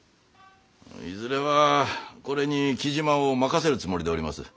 いずれはこれに雉真を任せるつもりでおります。